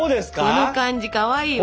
その感じかわいいわ。